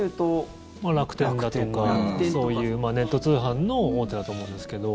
楽天だとかそういうネット通販の大手だと思うんですけど。